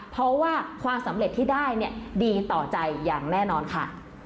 เพราะว่าความสำเร็จที่ได้ดีต่อใจอย่างแน่นอนค่ะ